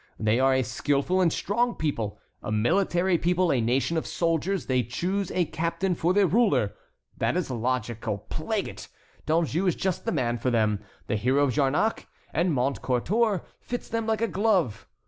They are a skilful and strong people! A military people, a nation of soldiers, they choose a captain for their ruler. That is logical, plague it! D'Anjou is just the man for them. The hero of Jarnac and Montcontour fits them like a glove.